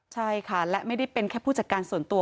ใช่ค่ะและไม่ได้เป็นแค่ผู้จัดการส่วนตัว